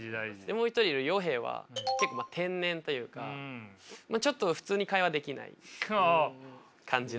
もう一人いるＹＯＨＥは結構天然というかちょっと普通に会話できない感じの。